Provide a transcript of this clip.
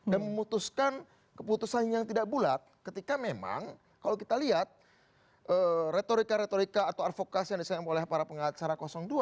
dan memutuskan keputusan yang tidak bulat ketika memang kalau kita lihat retorika retorika atau advokasi yang disenam oleh para pengacara dua